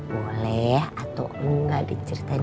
boleh atau enggak diceritain